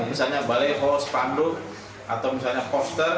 misalnya bale ho spanduk atau misalnya poster